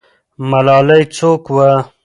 ملالۍ څوک وه؟